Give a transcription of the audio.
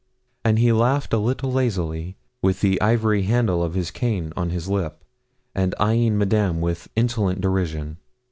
And he laughed a little lazily, with the ivory handle of his cane on his lip, and eyeing Madame with indolent derision.